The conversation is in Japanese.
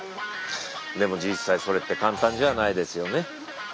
でも実際それって簡単じゃあないですよね。